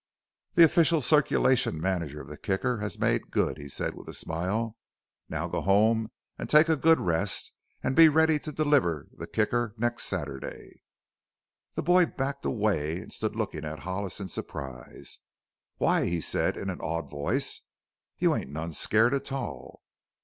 "The official circulation manager of the Kicker has made good," he said with a smile. "Now go home and take a good rest and be ready to deliver the Kicker next Saturday." The boy backed away and stood looking at Hollis in surprise. "Why!" he said in an awed voice, "you ain't none scared a tall!"